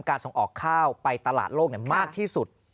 ส่งออกข้าวไปตลาดโลกมากที่สุด